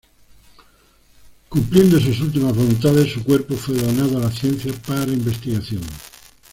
Cumpliendo sus últimas voluntades, su cuerpo fue donado a la ciencia para investigación.